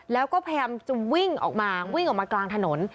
แล้วก็พยายามจะวิ่งออกมาวิ่งออกมากลางถนน